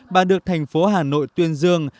bà được thành phố hà nội tuyên dương